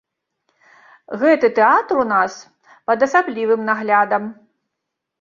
Гэты тэатр у нас пад асаблівым наглядам.